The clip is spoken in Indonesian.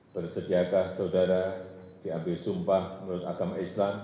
bersediakah saudara diambil sumpah menurut agama islam